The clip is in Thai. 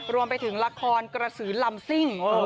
รวมไปถึงละครกระสือลำซิ่ง